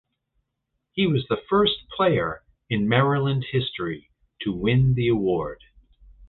He was the first player in Maryland history to win the award.